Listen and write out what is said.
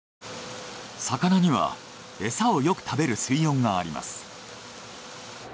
魚にはエサをよく食べる水温があります。